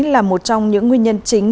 là một trong những nguyên nhân chính